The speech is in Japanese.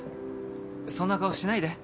そんな顔しないで。